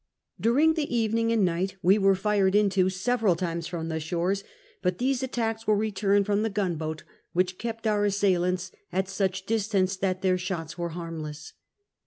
During the evening and night we were fired into several times from the shores, but these attacks were returned from the gun boat, which kept our assailants at such dis tance that their shots were harmless.